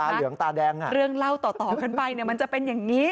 เห็นไหมเรื่องเล่าต่อกันไปเนี่ยมันจะเป็นอย่างนี้